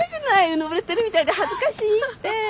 うぬぼれてるみたいで恥ずかしいって。